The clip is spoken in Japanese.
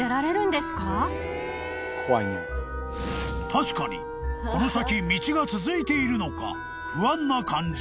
［確かにこの先道が続いているのか不安な感じ］